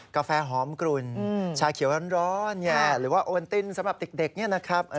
กาแฟหอมกลุ่นชาเขียวร้อนหรือว่าโอนตินสำหรับเด็กเนี่ยนะครับ